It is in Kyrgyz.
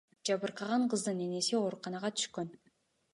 Жабыркаган кыздын энеси ооруканага түшкөн.